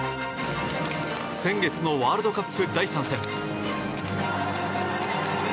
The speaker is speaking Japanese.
先月のワールドカップ第３戦。